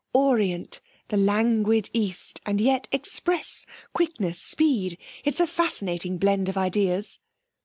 Orient the languid East, and yet express quickness, speed. It's a fascinating blend of ideas.'